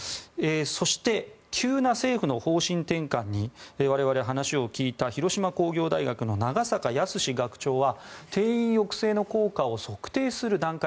そして、急な政府の方針転換に我々、話を聞いた広島工業大学の長坂康史学長は定員抑制の効果を測定する段階。